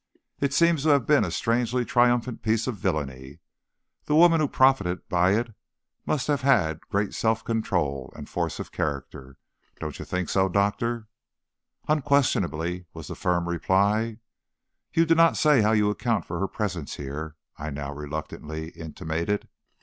"It seems to have been a strangely triumphant piece of villainy. The woman who profited by it must have had great self control and force of character. Don't you think so, doctor?" "Unquestionably," was the firm reply. "You do not say how you account for her presence here," I now reluctantly intimated.